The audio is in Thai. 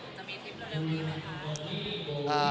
จะมีทริปเร็วนี้ไหมคะ